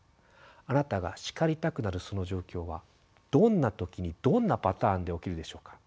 あなたが叱りたくなるその状況はどんな時にどんなパターンで起きるでしょうか？